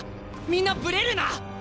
みんなブレるな！